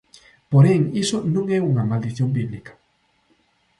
Porén, iso non é unha maldición bíblica.